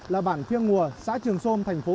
là bản phiêng ngùa xã trường sôm thành phố